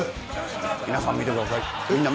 皆さん、見てください。